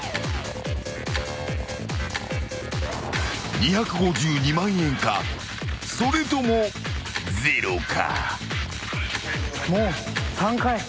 ２５２万円かそれともゼロか。